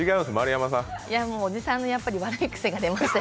おじさんの悪い癖が出ました。